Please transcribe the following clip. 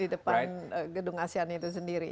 di depan gedung asean itu sendiri